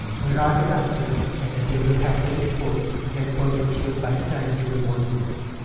There are the rafters, and they will have the ridge pole and purlins hewed by the time you will want them."